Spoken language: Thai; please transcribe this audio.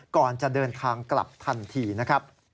ก่อนจะเดินทางกลับทันทีนะครับ